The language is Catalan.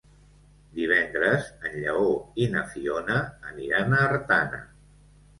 Divendres en Lleó i na Fiona aniran a Artana.